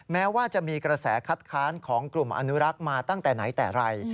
แม้ว่าจะมีกระแสคัดค้านของกลุ่มอนุรักษ์มาตั้งแต่ไหนแต่ไร